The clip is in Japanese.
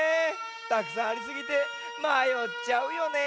たくさんありすぎてまよっちゃうよね。